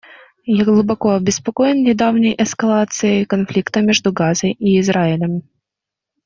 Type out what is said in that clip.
Я глубоко обеспокоен недавней эскалацией конфликта между Газой и Израилем.